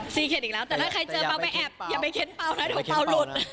อีกแล้วแต่ถ้าใครเจอเปล่าไปแอบอย่าไปเค้นเปล่านะเดี๋ยวเปล่าหลุด